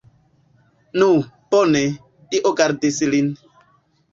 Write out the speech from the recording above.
Nu, bone, Dio gardis lin!